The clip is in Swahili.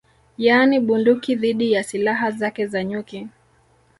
Yaani bunduki dhidi ya silaha zake za nyuki